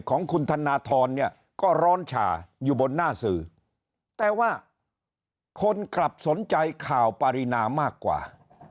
ของคุณธนทรเนี่ยก็ร้อนชาอยู่บนหน้าสื่อแต่ว่าคนกลับสนใจข่าวปารีนามากกว่า